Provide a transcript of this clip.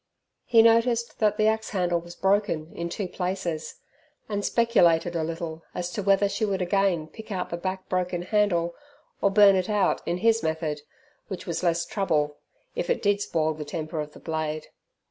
He noticed that the axe handle was broken in two places, and speculated a little as to whether she would again pick out the back broken handle or burn it out in his method, which was less trouble, if it did spoil the temper of the blade.